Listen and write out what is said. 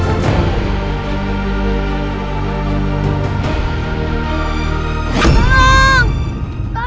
kakanda akan selalu bahagia itu